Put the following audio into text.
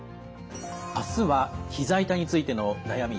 あすはひざ痛についての悩み